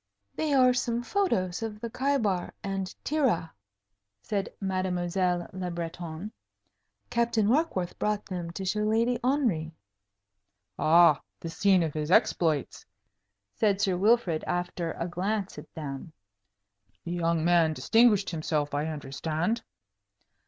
"They are some photos of the Khaibar and Tirah," said Mademoiselle Le Breton. "Captain Warkworth brought them to show Lady Henry." "Ah, the scene of his exploits," said Sir Wilfrid, after a glance at them. "The young man distinguished himself, I understand?"